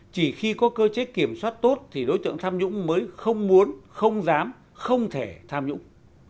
chỉ khi có cơ chế kiểm soát tốt thì đối tượng tham nhũng mới không muốn không dám không thể tham nhũng